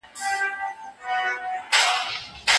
کمپيوټر مشوره ورکوي.